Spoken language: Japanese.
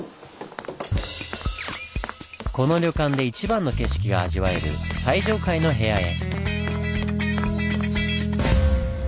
この旅館で一番の景色が味わえる最上階の部屋へ。